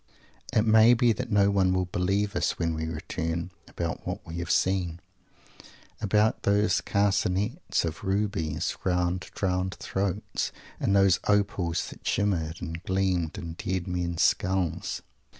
It may be that no one will believe us, when we return, about what we have seen! About those carcanets of rubies round drowned throats and those opals that shimmered and gleamed in dead men's skulls!